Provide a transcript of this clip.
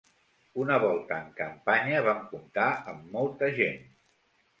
Una volta en campanya vam comptar amb molta gent.